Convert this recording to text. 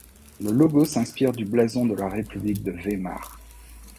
Le logo s'inspire du blason de la République de Weimar.